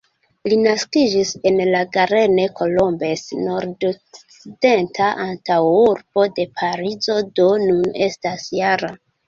Li naskiĝis en La Garenne-Colombes, nordokcidenta antaŭurbo de Parizo, do nun estas -jara.